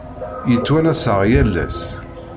Yettwanas-aɣ yal ass.